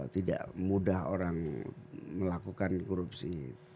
tidak mudah orang melakukan korupsi